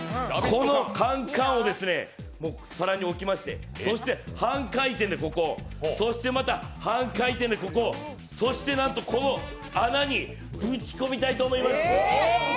このカンカンを皿に置きましてそして半回転でここ、そしてまた半回転でここ、そしてなんと、この穴にぶち込みたいと思います。